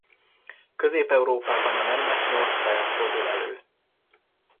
Közép-Európában a nemnek nyolc faja fordul elő.